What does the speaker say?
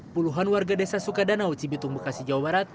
puluhan warga desa sukadanau cibitung bekasi jawa barat